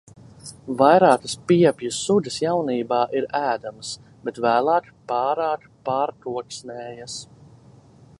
Vairākas piepju sugas jaunībā ir ēdamas, bet vēlāk pārāk pārkoksnējas.